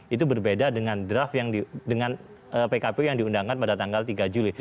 itu berbeda dengan draft dengan pkpu yang diundangkan pada tanggal tiga juli